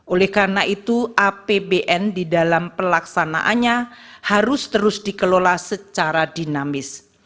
oleh karena itu apbn di dalam pelaksanaannya harus terus dikelola secara dinamis